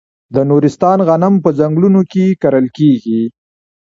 د نورستان غنم په ځنګلونو کې کرل کیږي.